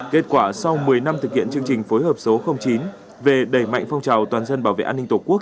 kết quả sau một mươi năm thực hiện chương trình phối hợp số chín về đẩy mạnh phong trào toàn dân bảo vệ an ninh tổ quốc